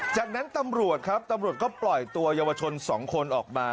จากนั้นตำรวจครับตำรวจก็ปล่อยตัวเยาวชน๒คนออกมา